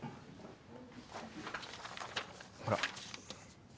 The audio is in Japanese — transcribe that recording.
ほら。